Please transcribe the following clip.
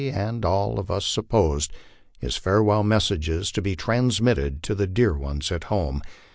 and all of us supposed, his farewell messages to be transmitted to dear ones at home.